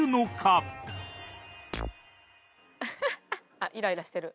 「あっイライラしてる」